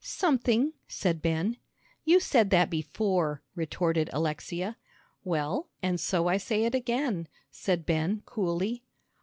"Something," said Ben. "You said that before," retorted Alexia. "Well, and so I say it again," said Ben, coolly.